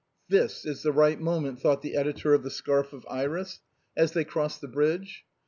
" This is the right moment," thought the editor of " The Scarf of Iris," as they crossed the bridge.